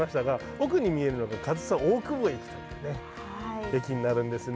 奥に見えるのが上総大久保駅という駅になるんですね。